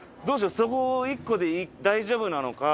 そこ１個で大丈夫なのか。